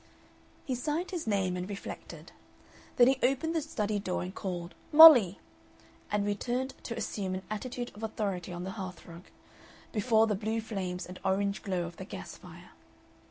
He signed his name and reflected. Then he opened the study door and called "Mollie!" and returned to assume an attitude of authority on the hearthrug, before the blue flames and orange glow of the gas fire.